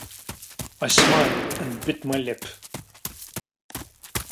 I smiled and bit my lip.